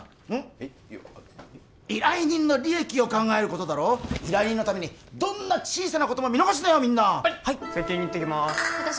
えっいや依頼人の利益を考えることだろ依頼人のためにどんな小さなことも見逃すなよはいっ接見に行ってきまーす